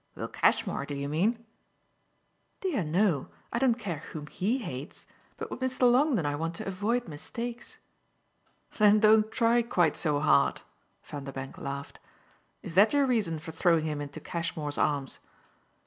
"Will Cashmore, do you mean?" "Dear no I don't care whom HE hates. But with Mr. Longdon I want to avoid mistakes." "Then don't try quite so hard!" Vanderbank laughed. "Is that your reason for throwing him into Cashmore's arms?"